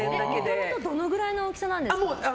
もともとどのぐらいの大きさなんですか？